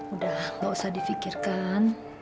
udah gak usah difikirkan